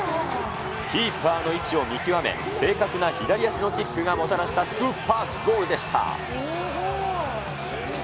キーパーの位置を見極め、正確な左足のキックがもたらしたスーパーゴールでした。